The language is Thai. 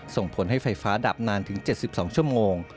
ส่งผลให้ไฟฟ้าดับนานถึง๗๒ชั่วโมง